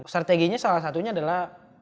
strateginya salah satunya adalah